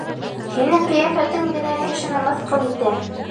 Һинең ҡиәфәтең генә кешене мыҫҡыл итә!